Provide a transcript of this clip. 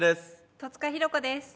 戸塚寛子です。